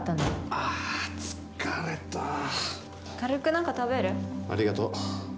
ありがとう。